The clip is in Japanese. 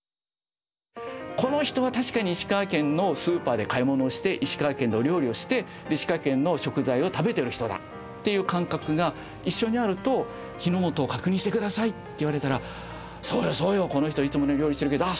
この人は確かに石川県のスーパーで買い物をして石川県の料理をして石川県の食材を食べてる人だっていう感覚が一緒にあると「火の元を確認して下さい」って言われたら「そうよそうよこの人いつもね料理してるけどあっ